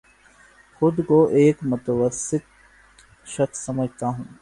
خود کو ایک متوسط شخص سمجھتا ہوں